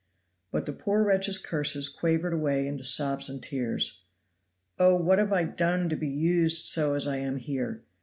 But the poor wretch's curses quavered away into sobs and tears. "Oh, what have I done to be used so as I am here?